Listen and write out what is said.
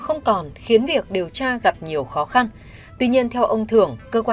không còn khiến việc điều tra gặp nhiều